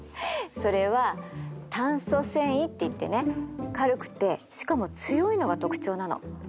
それは炭素繊維っていってね軽くてしかも強いのが特徴なの。